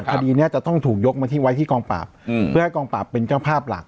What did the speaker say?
ทักดีเนี่ยจะต้องถูกยกบรรทิวายที่กองปราบเพื่อกองปราบเป็นเจ้าภาพหลัก